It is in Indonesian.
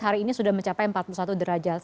hari ini sudah mencapai empat puluh satu derajat